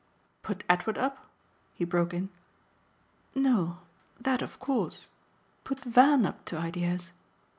"Put Edward up?" he broke in. "No that of course. Put Van up to ideas